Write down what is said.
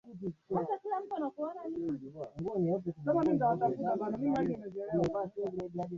Shida itaniua